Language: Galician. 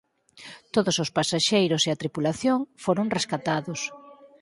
Todos os pasaxeiros e a tripulación foron rescatados.